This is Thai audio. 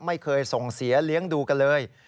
ไม่เคยส่งเสียเลี้ยงดูกันเลย